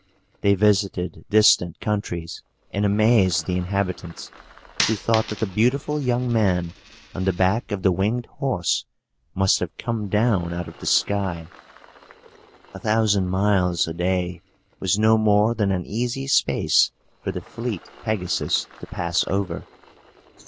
They visited distant countries, and amazed the inhabitants, who thought that the beautiful young man, on the back of the winged horse, must have come down out of the sky. A thousand miles a day was no more than an easy space for the fleet Pegasus to pass over.